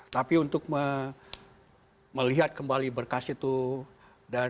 tapi untuk melihat kembali berkas itu dan